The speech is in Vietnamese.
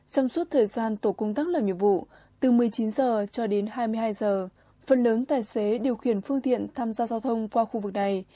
trong suốt thời gian tổ công tác làm nhiệm vụ từ một mươi chín h cho đến hai mươi hai h phần lớn tài xế điều khiển phương tiện tham gia giao thông qua khu vực này